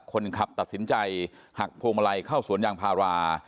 ตัดสินใจหักพวงมาลัยเข้าสวนยางพารา